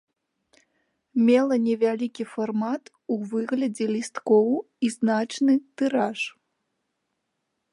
Мела невялікі фармат у выглядзе лісткоў і значны тыраж.